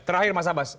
terakhir mas abbas